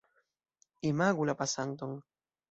Imagu la pasanton.